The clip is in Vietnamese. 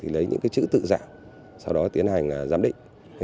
lấy những chữ tự giảm sau đó tiến hành giám định